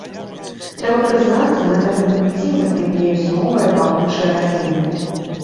Трэба прызнацца, на гэтым гніцці заквітнеюць новыя пахучыя расліны.